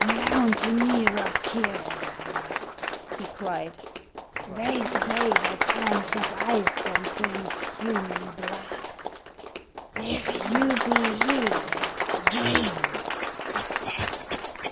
"Mountaineer of Kiolen," he cried, "they say that Hans of Iceland drinks human blood. If you be he, drink.